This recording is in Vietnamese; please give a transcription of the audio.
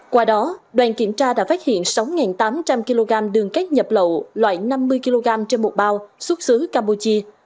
qua đó đoàn kiểm tra đã phát hiện sáu tám trăm linh kg đường cát nhập lậu loại năm mươi kg trên một bao xuất xứ campuchia